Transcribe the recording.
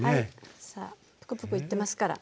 さあプクプクいってますから。